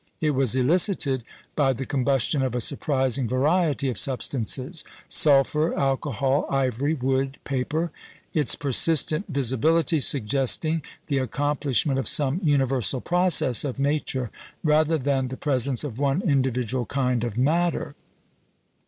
It was elicited by the combustion of a surprising variety of substances sulphur, alcohol, ivory, wood, paper; its persistent visibility suggesting the accomplishment of some universal process of nature rather than the presence of one individual kind of matter.